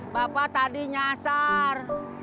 bapak tadi nyesar